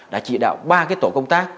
đã chỉ đạo ba tổ công tác